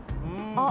あっ。